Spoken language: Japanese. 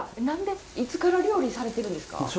何でいつから料理されてるんですか？